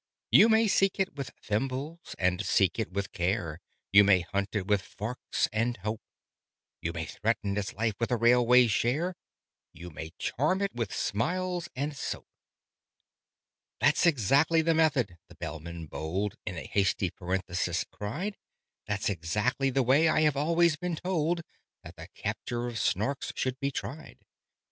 "'You may seek it with thimbles and seek it with care; You may hunt it with forks and hope; You may threaten its life with a railway share; You may charm it with smiles and soap '" ("That's exactly the method," the Bellman bold In a hasty parenthesis cried, "That's exactly the way I have always been told That the capture of Snarks should be tried!")